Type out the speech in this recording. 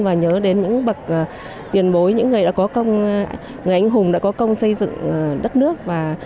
và nhớ đến những bậc tiền bối những người đã có công người anh hùng đã có công xây dựng đất nước và